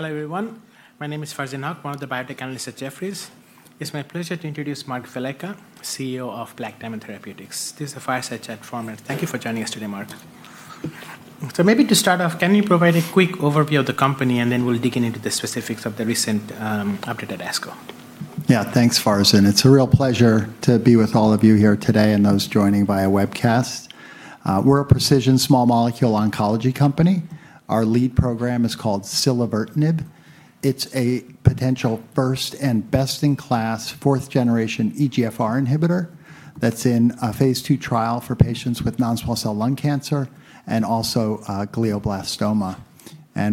Hello, everyone. My name is Farzin Haque, one of the biotech analysts at Jefferies. It's my pleasure to introduce Mark Velleca, CEO of Black Diamond Therapeutics. This is a Fireside Chat format. Thank you for joining us today, Mark. Maybe to start off, can you provide a quick overview of the company and then we'll dig into the specifics of the recent update at ASCO? Yeah, thanks, Farzin. It's a real pleasure to be with all of you here today and those joining via webcast. We're a precision small molecule oncology company. Our lead program is called silevertinib. It's a potential first and best-in-class fourth generation EGFR inhibitor that's in a phase II trial for patients with non-small cell lung cancer and also glioblastoma.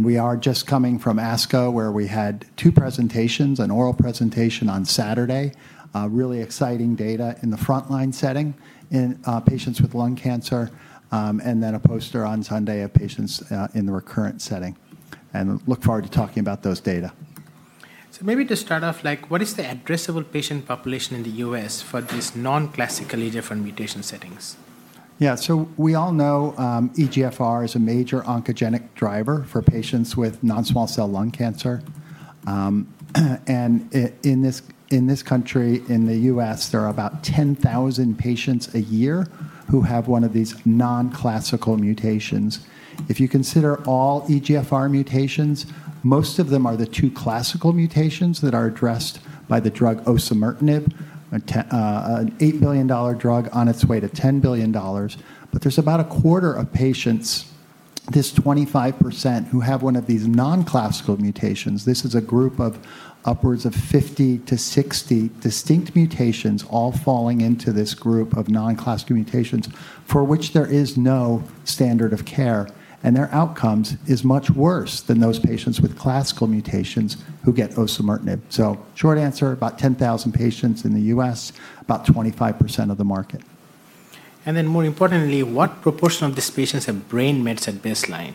We are just coming from ASCO where we had two presentations, an oral presentation on Saturday, really exciting data in the frontline setting in patients with lung cancer, then a poster on Sunday of patients in the recurrent setting. Look forward to talking about those data. Maybe to start off, what is the addressable patient population in the U.S. for these non-classical EGFR mutation settings? Yeah. We all know EGFR is a major oncogenic driver for patients with non-small cell lung cancer. In this country, in the U.S., there are about 10,000 patients a year who have one of these non-classical mutations. If you consider all EGFR mutations, most of them are the two classical mutations that are addressed by the drug osimertinib, an $8 billion drug on its way to $10 billion. There's about a quarter of patients, this 25%, who have one of these non-classical mutations. This is a group of upwards of 50 to 60 distinct mutations all falling into this group of non-classical mutations for which there is no standard of care, and their outcomes is much worse than those patients with classical mutations who get osimertinib. Short answer, about 10,000 patients in the U.S., about 25% of the market. More importantly, what proportion of these patients have brain mets at baseline?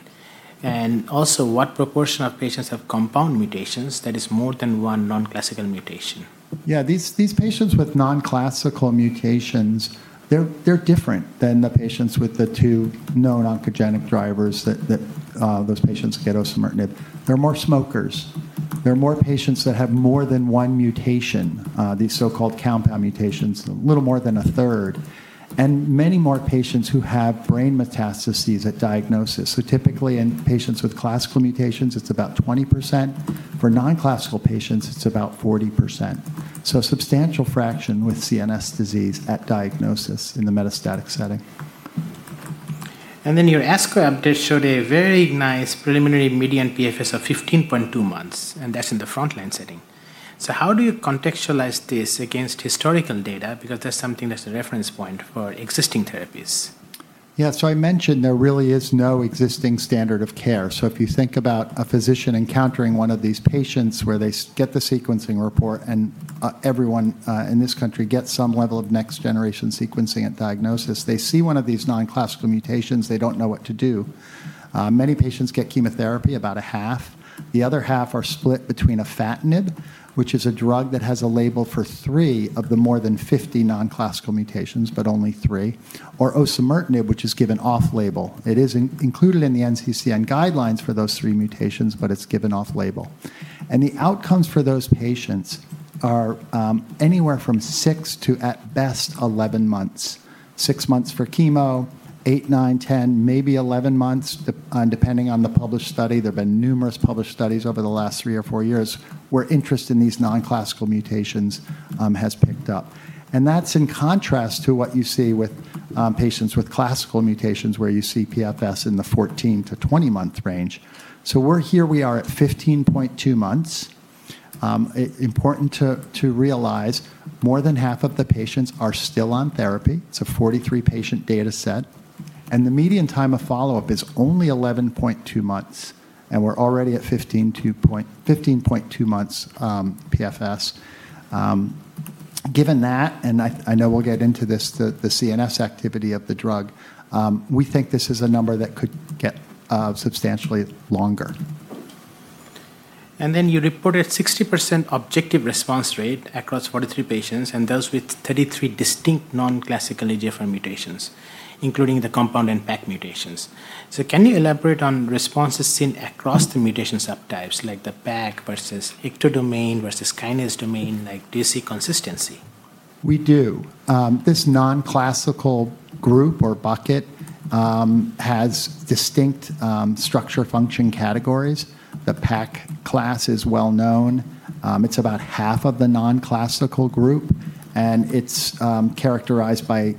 Also, what proportion of patients have compound mutations that is more than one non-classical mutation? Yeah, these patients with non-classical mutations, they're different than the patients with the two known oncogenic drivers that those patients get osimertinib. They're more smokers. There are more patients that have more than one mutation, these so-called compound mutations, a little more than a third, and many more patients who have brain metastases at diagnosis. Typically, in patients with classical mutations, it's about 20%. For non-classical patients, it's about 40%. A substantial fraction with CNS disease at diagnosis in the metastatic setting. Your ASCO update showed a very nice preliminary median PFS of 15.2 months. That's in the frontline setting. How do you contextualize this against historical data? That's something that's a reference point for existing therapies. Yeah. I mentioned there really is no existing standard of care. If you think about a physician encountering one of these patients where they get the sequencing report and everyone in this country gets some level of next-generation sequencing at diagnosis. They see one of these non-classical mutations, they don't know what to do. Many patients get chemotherapy, about a half. The other half are split between afatinib, which is a drug that has a label for three of the more than 50 non-classical mutations, but only three, or osimertinib, which is given off-label. It is included in the NCCN guidelines for those three mutations, but it's given off-label. The outcomes for those patients are anywhere from six to at best 11 months. Six months for chemo, eight, nine, 10, maybe 11 months, depending on the published study. There have been numerous published studies over the last three or four years where interest in these non-classical mutations has picked up. That's in contrast to what you see with patients with classical mutations where you see PFS in the 14–20-month range. Here we are at 15.2 months. Important to realize more than half of the patients are still on therapy. It's a 43-patient data set. The median time of follow-up is only 11.2 months, and we're already at 15.2 months PFS. Given that, and I know we'll get into this, the CNS activity of the drug, we think this is a number that could get substantially longer. You reported 60% objective response rate across 43 patients and those with 33 distinct non-classically different mutations, including the compound and PACC mutations. Can you elaborate on responses seen across the mutation subtypes like the PACC versus ectodomain versus kinase domain, like do you see consistency? We do. This non-classical group or bucket has distinct structure function categories. The PACC class is well known. It's about half of the non-classical group, and it's characterized by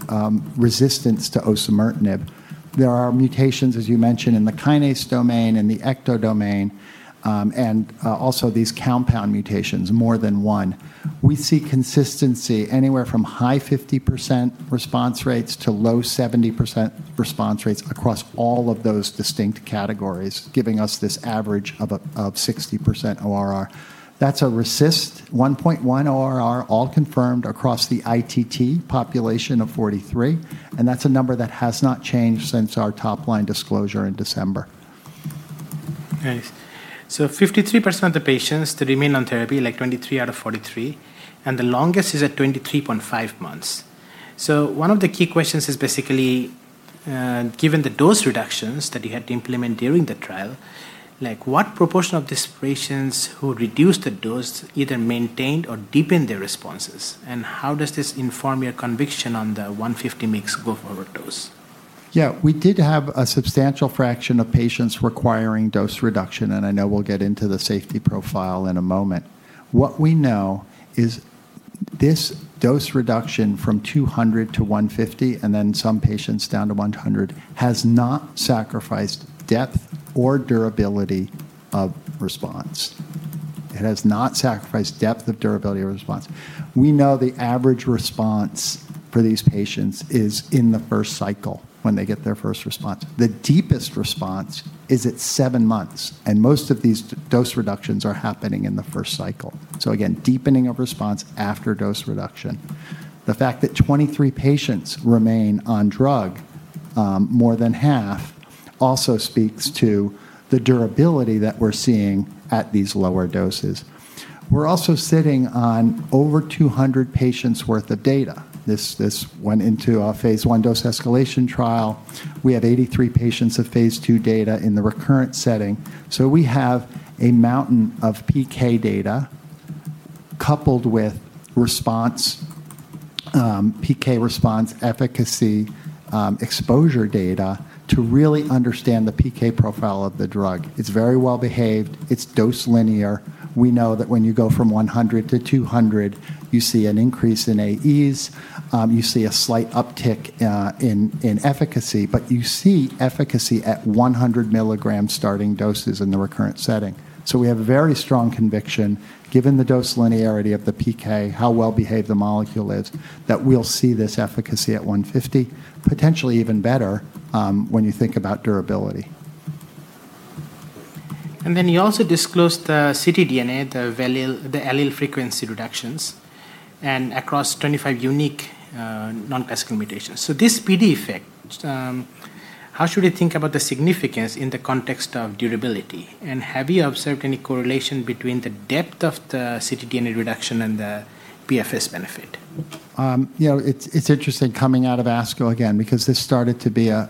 resistance to osimertinib. There are mutations, as you mentioned, in the kinase domain and the ectodomain, and also these compound mutations, more than one. We see consistency anywhere from high 50% response rates to low 70% response rates across all of those distinct categories, giving us this average of 60% ORR. That's a RECIST 1.1 ORR, all confirmed across the ITT population of 43, and that's a number that has not changed since our top-line disclosure in December. Nice. 53% of the patients remain on therapy, like 23 out of 43, and the longest is at 23.5 months. One of the key questions is basically, given the dose reductions that you had to implement during the trial, what proportion of these patients who reduced the dose either maintained or deepened their responses? How does this inform your conviction on the 150 mgs go-forward dose? Yeah, we did have a substantial fraction of patients requiring dose reduction, and I know we'll get into the safety profile in a moment. What we know is this dose reduction from 200 mg to 150 mg, and then some patients down to 100 mg, has not sacrificed depth or durability of response. It has not sacrificed depth of durability or response. We know the average response for these patients is in the first cycle when they get their first response. The deepest response is at seven months, and most of these dose reductions are happening in the first cycle. Again, deepening of response after dose reduction. The fact that 23 patients remain on drug, more than half, also speaks to the durability that we're seeing at these lower doses. We're also sitting on over 200 patients' worth of data. This went into our phase I dose escalation trial. We have 83 patients of phase II data in the recurrent setting. We have a mountain of PK data coupled with PK response efficacy exposure data to really understand the PK profile of the drug. It's very well-behaved. It's dose linear. We know that when you go from 100 mg to 200 mg, you see an increase in AEs. You see a slight uptick in efficacy, you see efficacy at 100 mg starting doses in the recurrent setting. We have a very strong conviction, given the dose linearity of the PK, how well-behaved the molecule is, that we'll see this efficacy at 150 mg, potentially even better when you think about durability. You also disclosed the ctDNA, the allele frequency reductions, across 25 unique non-classical mutations. This PD effect, how should we think about the significance in the context of durability? Have you observed any correlation between the depth of the ctDNA reduction and the PFS benefit? It's interesting coming out of ASCO again, because this started to be a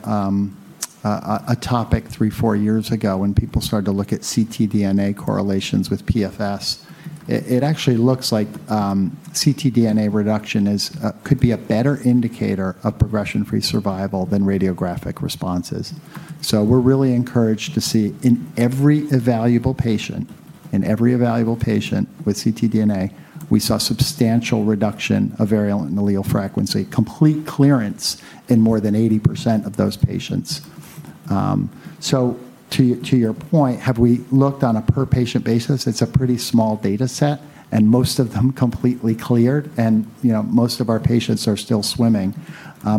topic three, four years ago when people started to look at ctDNA correlations with PFS. It actually looks like ctDNA reduction could be a better indicator of progression-free survival than radiographic responses. We're really encouraged to see in every evaluable patient with ctDNA, we saw substantial reduction of variant allele frequency, complete clearance in more than 80% of those patients. To your point, have we looked on a per-patient basis? It's a pretty small data set, and most of them completely cleared, and most of our patients are still swimming.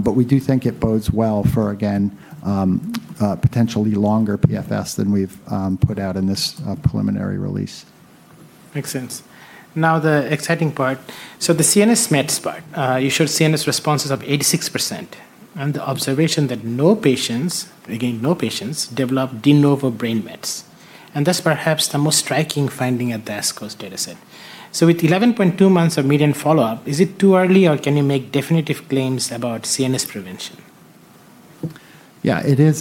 We do think it bodes well for, again, potentially longer PFS than we've put out in this preliminary release. Makes sense. Now the exciting part. The CNS mets part, you showed CNS responses of 86% and the observation that no patients, again, no patients, developed de novo brain mets. That's perhaps the most striking finding at the ASCO's data set. With 11.2 months of median follow-up, is it too early, or can you make definitive claims about CNS prevention? Yeah, it is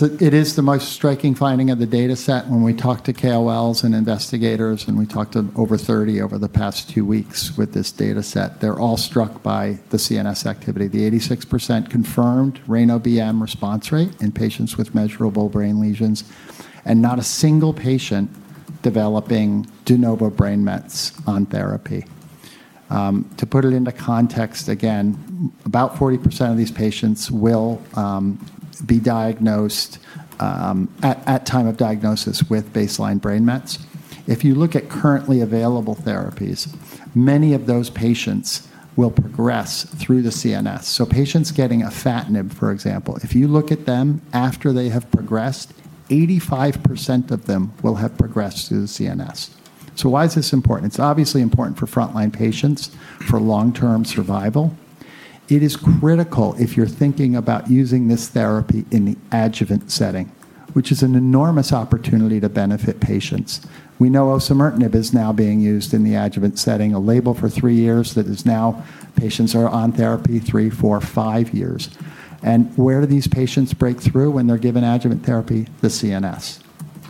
the most striking finding of the data set. When we talk to KOLs and investigators, and we talked to over 30 over the past two weeks with this data set, they're all struck by the CNS activity. The 86% confirmed RANO-BM response rate in patients with measurable brain lesions, and not a single patient developing de novo brain mets on therapy. To put it into context again, about 40% of these patients will be diagnosed at time of diagnosis with baseline brain mets. If you look at currently available therapies, many of those patients will progress through the CNS. Patients getting afatinib, for example, if you look at them after they have progressed, 85% of them will have progressed through the CNS. Why is this important? It's obviously important for frontline patients for long-term survival. It is critical if you're thinking about using this therapy in the adjuvant setting, which is an enormous opportunity to benefit patients. We know osimertinib is now being used in the adjuvant setting, a label for three years that is now patients are on therapy three, four, five years. Where do these patients break through when they're given adjuvant therapy? The CNS.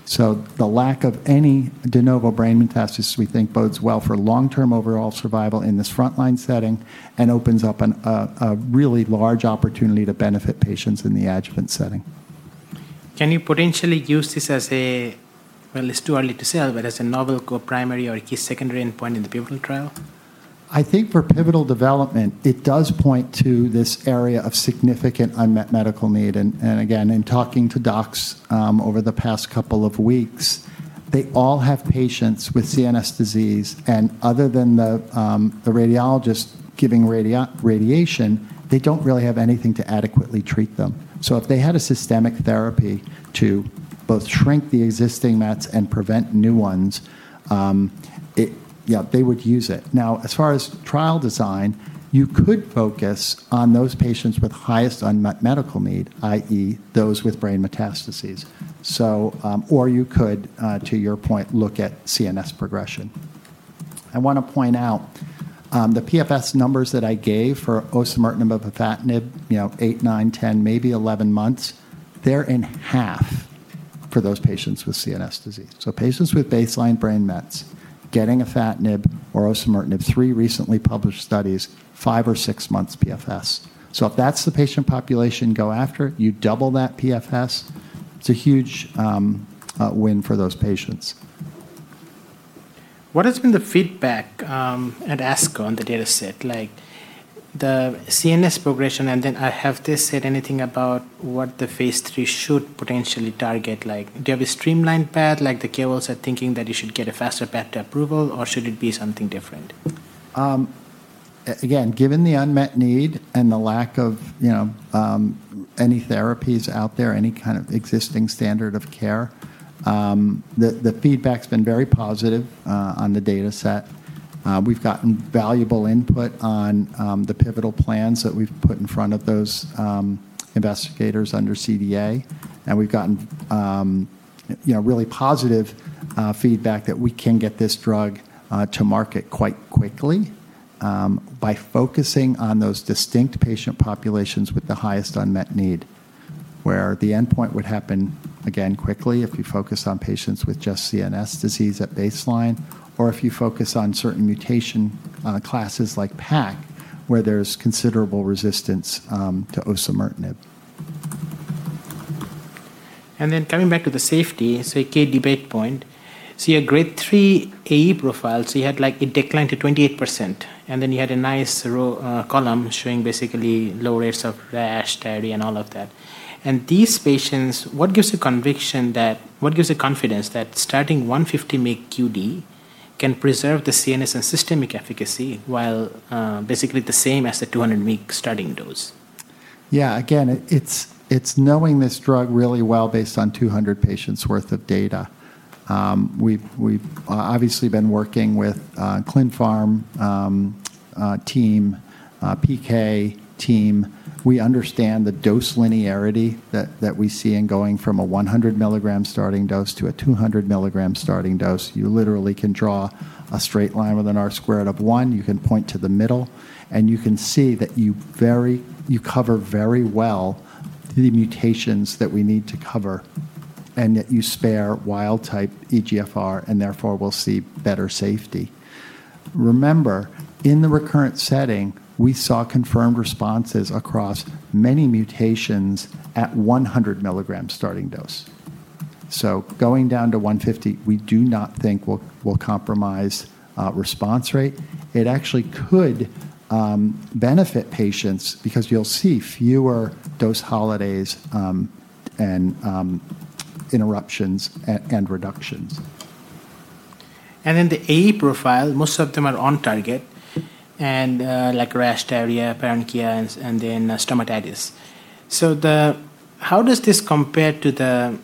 The lack of any de novo brain metastasis, we think bodes well for long-term overall survival in this frontline setting and opens up a really large opportunity to benefit patients in the adjuvant setting. Can you potentially use this as a, well, it's too early to tell, but as a novel co-primary or key secondary endpoint in the pivotal trial? I think for pivotal development, it does point to this area of significant unmet medical need. Again, in talking to docs over the past couple of weeks, they all have patients with CNS disease, and other than the radiologist giving radiation, they don't really have anything to adequately treat them. If they had a systemic therapy to both shrink the existing mets and prevent new ones, they would use it. As far as trial design, you could focus on those patients with highest unmet medical need, i.e., those with brain metastases. You could, to your point, look at CNS progression. I want to point out the PFS numbers that I gave for osimertinib and afatinib, eight, nine, 10, maybe 11 months, they're in half for those patients with CNS disease. Patients with baseline brain mets getting afatinib or osimertinib, three recently published studies, five or six months PFS. If that's the patient population go after, you double that PFS, it's a huge win for those patients. What has been the feedback at ASCO on the data set? The CNS progression and then have they said anything about what the phase III should potentially target? Do you have a streamlined path, like the KOLs are thinking that you should get a faster path to approval, or should it be something different? Again, given the unmet need and the lack of any therapies out there, any kind of existing standard of care, the feedback's been very positive on the data set. We've gotten valuable input on the pivotal plans that we've put in front of those investigators under CDA. We've gotten really positive feedback that we can get this drug to market quite quickly by focusing on those distinct patient populations with the highest unmet need, where the endpoint would happen, again, quickly if you focus on patients with just CNS disease at baseline, or if you focus on certain mutation classes like PACC, where there's considerable resistance to osimertinib. Coming back to the safety, a key debate point. Your Grade 3 AE profile, you had a decline to 28%, you had a nice column showing basically low rates of rash, diarrhea, and all of that. These patients, what gives the confidence that starting 150 mg QD can preserve the CNS and systemic efficacy while basically the same as the 200 mg starting dose? Yeah, again, it's knowing this drug really well based on 200 patients' worth of data. We've obviously been working with clinical pharmacology team, PK team. We understand the dose linearity that we see in going from a 100 mg starting dose to a 200 mg starting dose. You literally can draw a straight line with an R-squared of one, you can point to the middle, and you can see that you cover very well the mutations that we need to cover, and that you spare wild-type EGFR, and therefore will see better safety. Remember, in the recurrent setting, we saw confirmed responses across many mutations at 100 mg starting dose. Going down to 150 mg, we do not think will compromise response rate. It actually could benefit patients because you'll see fewer dose holidays and interruptions and reductions. The AE profile, most of them are on target and like rash, diarrhea, paresthesia, stomatitis. How does this compare to the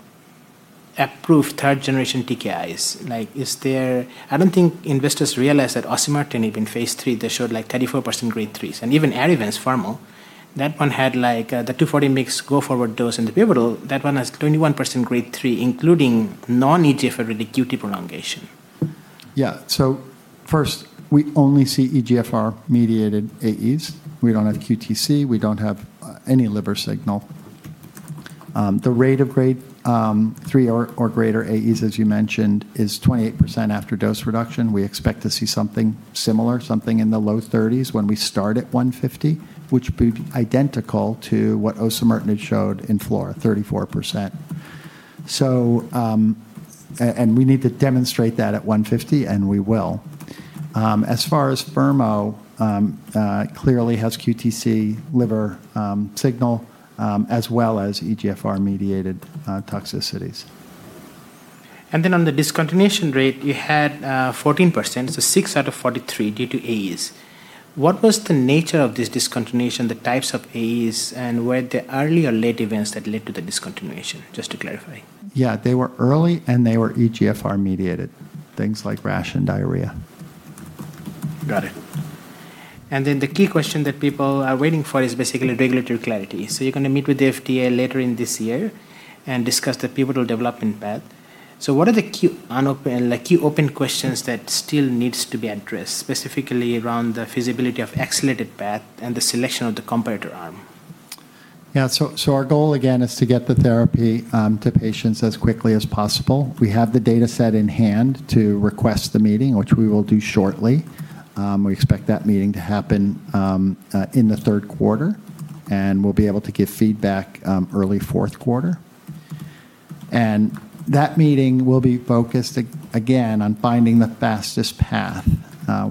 approved third-generation TKIs? I don't think investors realize that osimertinib in phase III, they showed 34% Grade 3s. Even lazertinib, that one had the 240 mgs go forward dose in the pivotal. That one has 21% Grade 3, including non-EGFR related QT prolongation. First, we only see EGFR mediated AEs. We don't have QTc, we don't have any liver signal. The rate of Grade 3 or greater AEs, as you mentioned, is 28% after dose reduction. We expect to see something similar, something in the low 30s when we start at 150 mg, which would be identical to what osimertinib showed in FLAURA, 34%. We need to demonstrate that at 150 mg, and we will. As far as dacomitinib, clearly has QTc liver signal, as well as EGFR mediated toxicities. On the discontinuation rate, you had 14%, so six out of 43 due to AEs. What was the nature of this discontinuation, the types of AEs, and were they early or late events that led to the discontinuation? Just to clarify. Yeah, they were early and they were EGFR mediated, things like rash and diarrhea. Got it. The key question that people are waiting for is basically regulatory clarity. You're going to meet with the FDA later in this year and discuss the pivotal development path. What are the key open questions that still needs to be addressed, specifically around the feasibility of accelerated path and the selection of the comparator arm? Yeah. Our goal again, is to get the therapy to patients as quickly as possible. We have the data set in hand to request the meeting, which we will do shortly. We expect that meeting to happen in the third quarter. We'll be able to give feedback early fourth quarter. That meeting will be focused, again, on finding the fastest path.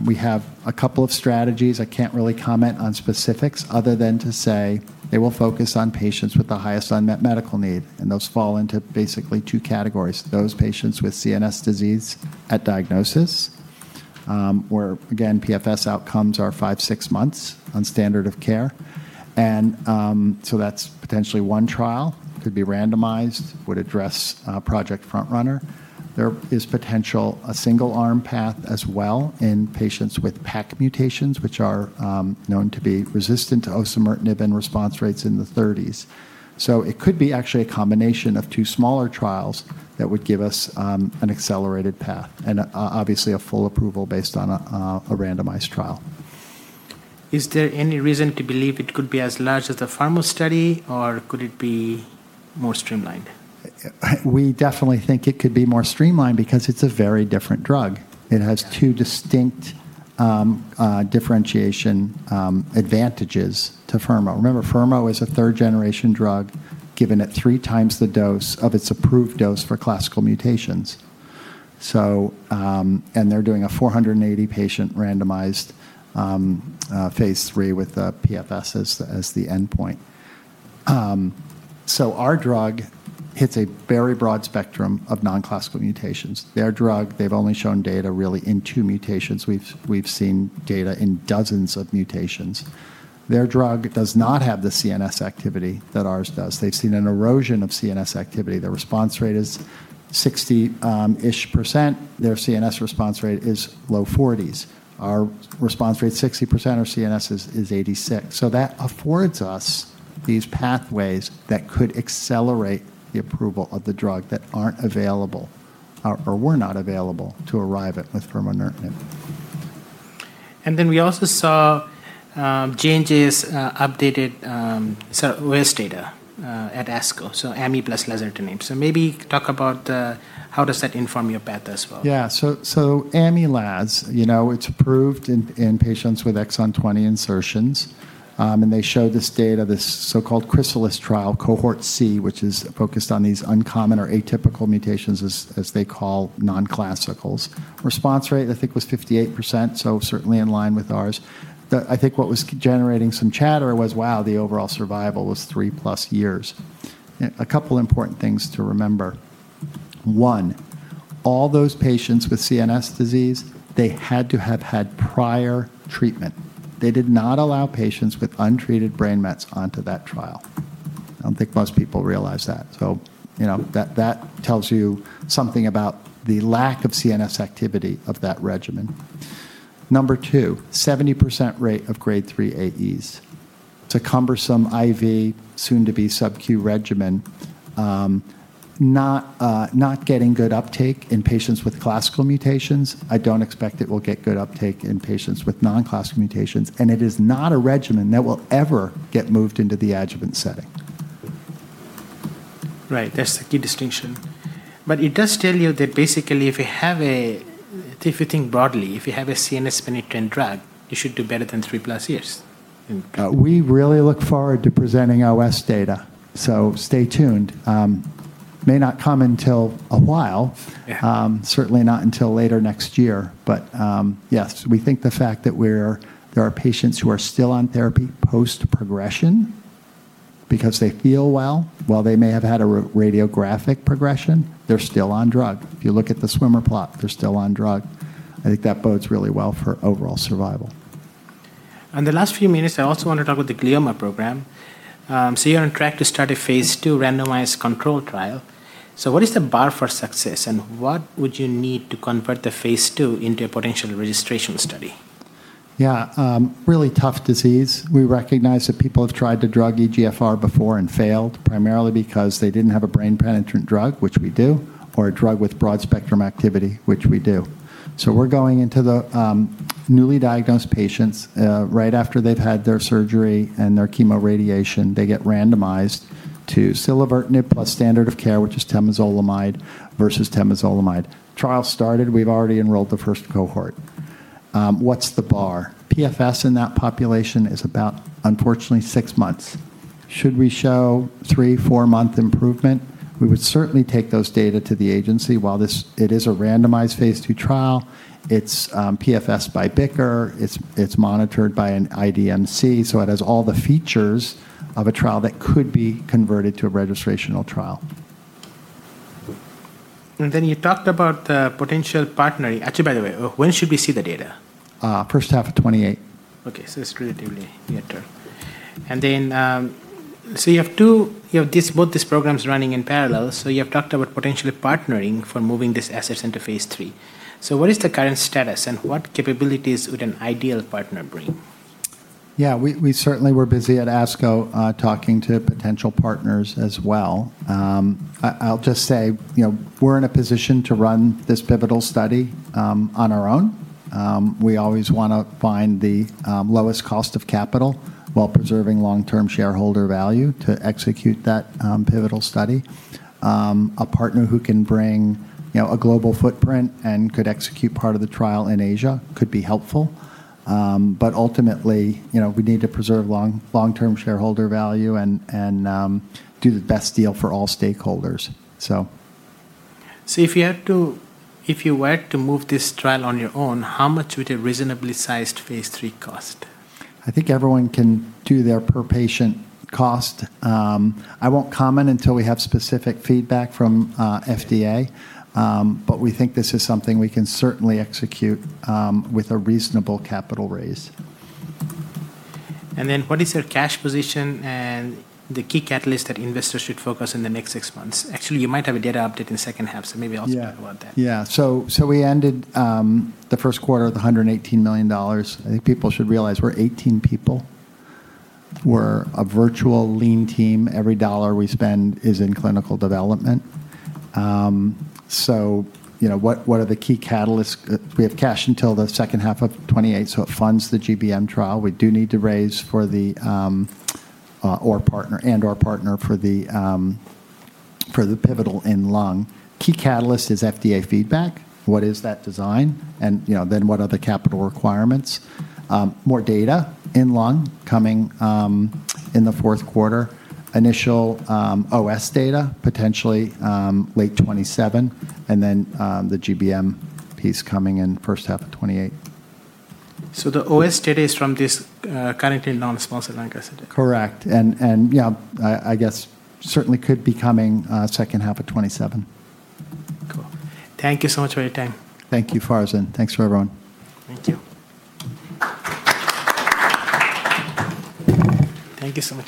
We have a couple of strategies. I can't really comment on specifics other than to say they will focus on patients with the highest unmet medical need, and those fall into basically two categories. Those patients with CNS disease at diagnosis, where again, PFS outcomes are five, six months on standard of care. That's potentially one trial. Could be randomized, would address Project FrontRunner. There is potential a single arm path as well in patients with PACC mutations, which are known to be resistant to osimertinib and response rates in the 30s. It could be actually a combination of two smaller trials that would give us an accelerated path and obviously a full approval based on a randomized trial. Is there any reason to believe it could be as large as the FURVENT study, or could it be more streamlined? We definitely think it could be more streamlined because it's a very different drug. It has two distinct differentiation advantages to FURVENT. Remember, FURVENT is a third-generation drug given at 3x the dose of its approved dose for classical mutations. They're doing a 480-patient randomized phase III with PFS as the endpoint. Our drug hits a very broad spectrum of non-classical mutations. Their drug, they've only shown data really in two mutations. We've seen data in dozens of mutations. Their drug does not have the CNS activity that ours does. They've seen an erosion of CNS activity. Their response rate is 60-ish%. Their CNS response rate is low 40s. Our response rate is 60%, our CNS is 86. That affords us these pathways that could accelerate the approval of the drug that aren't available, or were not available to ArriVent with. We also saw changes, updated OS data at ASCO, so amivantamab plus lazertinib. Maybe talk about how does that inform your path as well? Yeah. Ami laz, it's approved in patients with exon 20 insertions. They show this data, this so-called CHRYSALIS trial, Cohort C, which is focused on these uncommon or atypical mutations, as they call non-classicals. Response rate, I think, was 58%, so certainly in line with ours. I think what was generating some chatter was, wow, the overall survival was 3+ years. A couple important things to remember. One, all those patients with CNS disease, they had to have had prior treatment. They did not allow patients with untreated brain mets onto that trial. I don't think most people realize that. That tells you something about the lack of CNS activity of that regimen. Number two, 70% rate of Grade 3 AEs. It's a cumbersome IV, soon to be sub-Q regimen, not getting good uptake in patients with classical mutations. I don't expect it will get good uptake in patients with non-classical mutations, and it is not a regimen that will ever get moved into the adjuvant setting. Right. That's the key distinction. It does tell you that basically, if you think broadly, if you have a CNS-penetrant drug, you should do better than three-plus years. We really look forward to presenting OS data. Stay tuned. May not come until a while. Yeah. Certainly not until later next year. Yes, we think the fact that there are patients who are still on therapy post-progression because they feel well. While they may have had a radiographic progression, they're still on drug. If you look at the swimmer plot, they're still on drug. I think that bodes really well for overall survival. In the last few minutes, I also want to talk about the glioma program. You're on track to start a phase II randomized control trial. What is the bar for success, and what would you need to convert the phase II into a potential registration study? Yeah. Really tough disease. We recognize that people have tried to drug EGFR before and failed, primarily because they didn't have a brain-penetrant drug, which we do, or a drug with broad-spectrum activity, which we do. We're going into the newly diagnosed patients right after they've had their surgery and their chemoradiation. They get randomized to silevertinib plus standard of care, which is temozolomide versus temozolomide. Trial's started. We've already enrolled the first cohort. What's the bar? PFS in that population is about, unfortunately, six months. Should we show three, four-month improvement, we would certainly take those data to the agency. While it is a randomized phase II trial, it's PFS by BICR. It's monitored by an IDMC, so it has all the features of a trial that could be converted to a registrational trial. You talked about potential partnering. Actually, by the way, when should we see the data? First half of 2028. Okay, it's relatively near-term. You have both these programs running in parallel. You have talked about potentially partnering for moving these assets into phase III. What is the current status, and what capabilities would an ideal partner bring? Yeah, we certainly were busy at ASCO talking to potential partners as well. I'll just say we're in a position to run this pivotal study on our own. We always want to find the lowest cost of capital while preserving long-term shareholder value to execute that pivotal study. A partner who can bring a global footprint and could execute part of the trial in Asia could be helpful. Ultimately, we need to preserve long-term shareholder value and do the best deal for all stakeholders. If you were to move this trial on your own, how much would a reasonably sized phase III cost? I think everyone can do their per-patient cost. I won't comment until we have specific feedback from FDA. We think this is something we can certainly execute with a reasonable capital raise. What is your cash position and the key catalyst that investors should focus in the next six months? Actually, you might have a data update in the second half. Maybe also talk about that. Yeah. We ended the first quarter with $118 million. I think people should realize we're 18 people. We're a virtual lean team. Every dollar we spend is in clinical development. What are the key catalysts? We have cash until the second half of 2028, so it funds the GBM trial. We do need to raise and/or partner for the pivotal in lung. Key catalyst is FDA feedback. What is that design? What are the capital requirements? More data in lung coming in the fourth quarter. Initial OS data potentially late 2027, and then the GBM piece coming in first half of 2028. The OS data is from this currently non-sponsor like I said? Correct. Yeah, I guess certainly could be coming second half of 2027. Cool. Thank you so much for your time. Thank you, Farzin. Thanks to everyone. Thank you. Thank you so much.